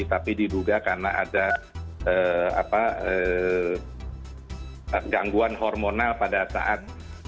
tapi diduga karena ada gangguan hormonal pada saat